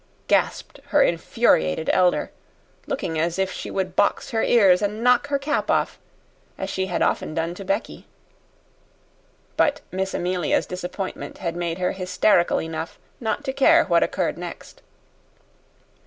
gasped her infuriated elder, looking as if she would box her ears and knock her cap off, as she had often done to Becky. But Miss Amelia's disappointment had made her hysterical enough not to care what occurred next.